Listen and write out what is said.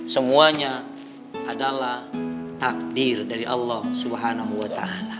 semuanya adalah takdir dari allah swt